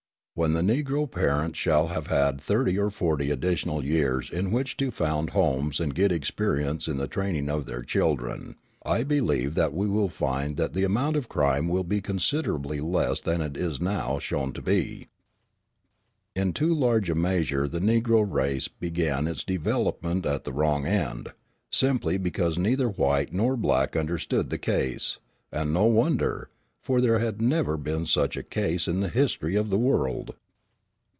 When the Negro parents shall have had thirty or forty additional years in which to found homes and get experience in the training of their children, I believe that we will find that the amount of crime will be considerably less than it is now shown to be. In too large a measure the Negro race began its development at the wrong end, simply because neither white nor black understood the case; and no wonder, for there had never been such a case in the history of the world.